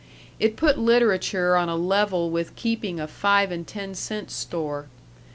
It put literature on a level with keeping a five and ten cent store.